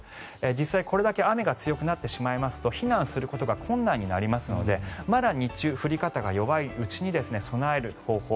実際、これだけ雨が強くなってしまいますと避難することが困難になりますのでまだ日中、降り方が弱いうちに備える方法